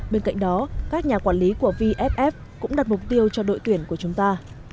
bên cạnh đó các nhà quản lý của vff cũng đặt mục tiêu cho đội tuyển của chúng ta